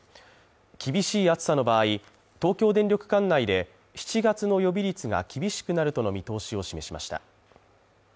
厳しい暑さの場合、東京電力管内で７月の予備率が厳しくなるとの見通しを示しました。